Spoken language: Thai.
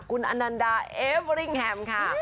คุณอนันดาเอเวอริงแฮมค่ะ